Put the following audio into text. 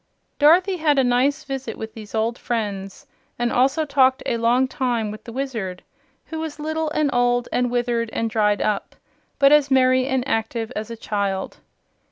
Dorothy had a nice visit with these old friends, and also talked a long time with the Wizard, who was little and old and withered and dried up, but as merry and active as a child.